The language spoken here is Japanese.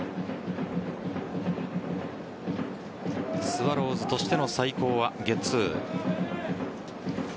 スワローズとしての最高はゲッツー。